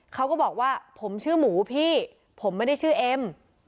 เขาก็บอกว่าผมชื่อหมูพี่ผมไม่ได้ชื่อเอ็ม